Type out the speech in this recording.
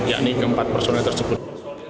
yakni keempat personel tersebut